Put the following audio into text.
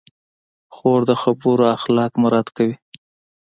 خور د خبرو اخلاق مراعت کوي.